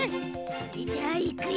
それじゃあいくよ。